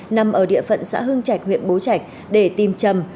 nằm ở địa phận xã hương trạch huyện bố trạch để tìm chầm